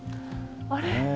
あれ？